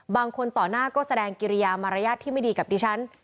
ต่อหน้าก็แสดงกิริยามารยาทที่ไม่ดีกับดิฉัน